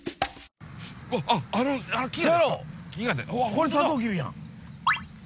これサトウキビやん。